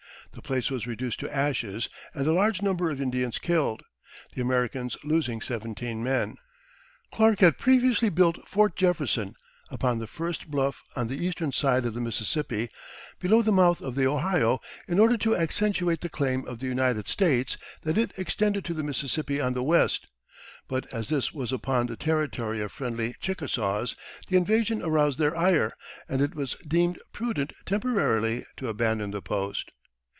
The place was reduced to ashes and a large number of Indians killed, the Americans losing seventeen men. Clark had previously built Fort Jefferson, upon the first bluff on the eastern side of the Mississippi below the mouth of the Ohio, in order to accentuate the claim of the United States that it extended to the Mississippi on the west; but as this was upon the territory of friendly Chickasaws, the invasion aroused their ire, and it was deemed prudent temporarily to abandon the post.